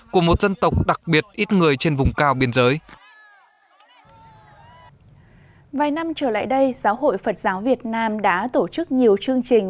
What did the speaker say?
vài năm trở lại đây giáo hội phật giáo việt nam đã tổ chức nhiều chương trình